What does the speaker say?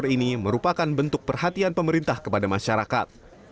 ini merupakan bentuk perhatian pemerintah kepada masyarakat